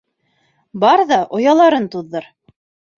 Бар ҙа ояларын туҙҙыр.